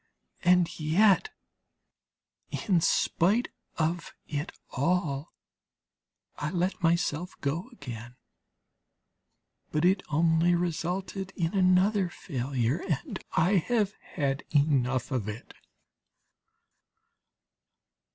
And yet, in spite of it all, I let myself go again, but it only resulted in another failure, and I have had enough of it.